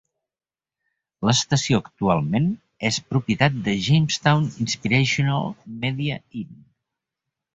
L'estació actualment és propietat de Jamestown Inspirational Media, In.